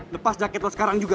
lepas jaket sekarang juga